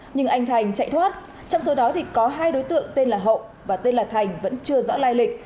nhưng anh thành chạy thoát trong số đó thì có hai đối tượng tên là hậu và tên là thành vẫn chưa rõ lai lịch